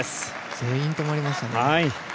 全員、止まりましたね。